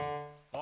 あ！